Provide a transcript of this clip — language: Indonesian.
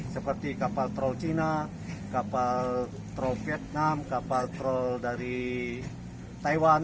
seperti kapal troll china kapal trol vietnam kapal troll dari taiwan